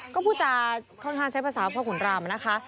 ก็พูดจาค่อนข้างใช้ภาษาพ่อขุนรามนะคะ